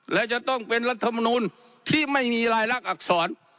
และจะต้องเป็นรัฐมนูลที่ไม่มีรายลักษณอักษร